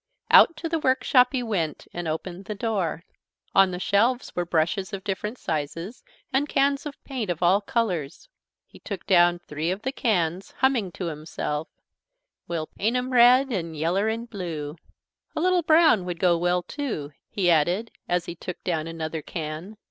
Out to the workshop he went, and opened the door. On the shelves were brushes of different sizes and cans of paint of all colours. He took down three of the cans, humming to himself: "We'll paint 'em red An' yeller an' blue." "A little brown would go well too," he added as he took down another can.